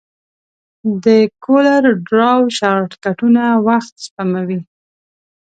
د کولر ډراو شارټکټونه وخت سپموي.